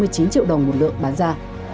sáu mươi chín triệu đồng một lượng bán ra